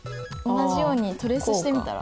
同じようにトレースしてみたら？